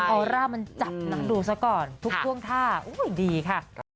ออร่ามันจับนะดูซะก่อนทุกท่วงท่าดีค่ะ